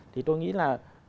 thì tôi nghĩ là